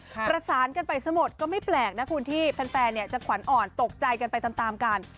ประสานกันไปซะหมดก็ไม่แปลกนะคุณที่แฟนจะขวัญอ่อนตกใจกันไปตามกัน